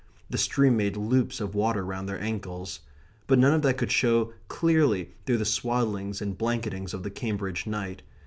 The stream made loops of water round their ankles. But none of that could show clearly through the swaddlings and blanketings of the Cambridge night.